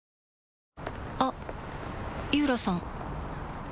あっ井浦さん